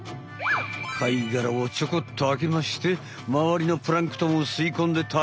貝がらをちょこっとあけましてまわりのプランクトンをすいこんでたべる。